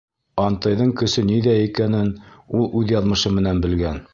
Антейҙың көсө ниҙә икәнен ул үҙ яҙмышы менән белгән.